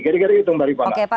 gede gede itu mbak ripala